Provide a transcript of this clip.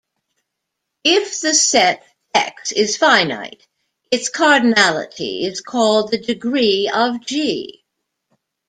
If the set "X" is finite, its cardinality is called the "degree" of "G".